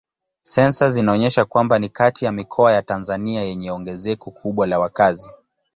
Sensa zinaonyesha kwamba ni kati ya mikoa ya Tanzania yenye ongezeko kubwa la wakazi.